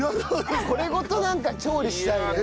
これごとなんか調理したいね。